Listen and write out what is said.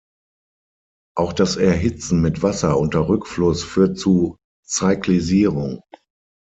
Auch das Erhitzen mit Wasser unter Rückfluss führt zu Cyclisierung.